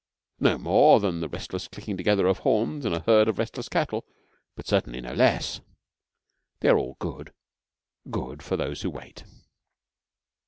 No more so than the restless clicking together of horns in a herd of restless cattle, but certainly no less. They are all good good for those who wait.